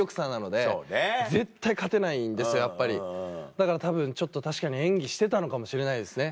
だからたぶんちょっと確かに演技してたのかもしれないですね。